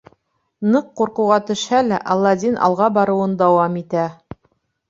Ныҡ ҡурҡыуға төшһә лә, Аладдин алға барыуын дауам итә.